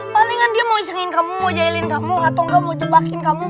palingan dia mau isengin kamu mau jahelin kamu atau nggak mau tebakin kamu